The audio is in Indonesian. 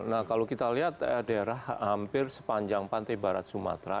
nah kalau kita lihat daerah hampir sepanjang pantai barat sumatera